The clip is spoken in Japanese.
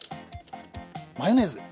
マヨネーズ。